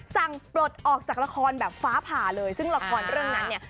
ปลดออกจากละครแบบฟ้าผ่าเลยซึ่งละครเรื่องนั้นเนี่ย